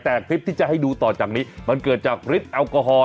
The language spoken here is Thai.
แต่คลิปที่จะให้ดูต่อจากนี้มันเกิดจากฤทธิแอลกอฮอล